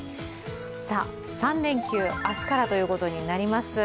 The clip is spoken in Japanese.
３連休明日からということになります。